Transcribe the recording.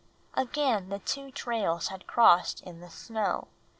Again the two trails had crossed in the snow.